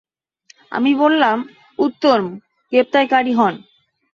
আমি বললাম, উত্তম গ্রেফতারকারী হন।